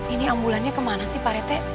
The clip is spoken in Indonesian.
ini ambulannya kemana sih pak rete